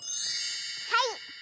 はい。